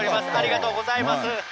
ありがとうございます。